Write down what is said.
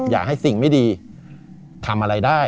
อย่าให้สิ่งไม่ดีทำอะไรได้